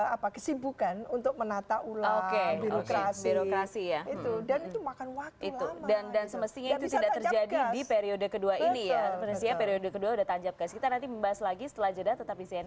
apa kesibukan untuk menata ular birokrasi